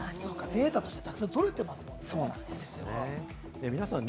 データとしてたくさん取れてますもんね、お店は。